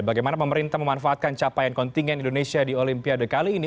bagaimana pemerintah memanfaatkan capaian kontingen indonesia di olimpiade kali ini